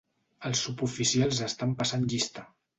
Els suboficials estan passant llista.